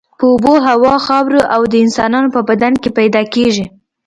په اوبو، هوا، خاورو او د انسانانو په بدن کې پیدا کیږي.